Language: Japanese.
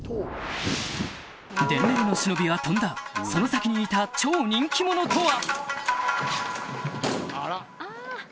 伝令の忍びは飛んだその先にいた超人気者とは？